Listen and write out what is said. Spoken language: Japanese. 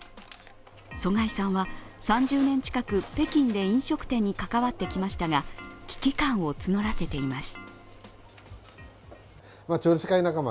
曽我井さんは、３０年近く北京で飲食店に関わってきましたが危機感を募らせています。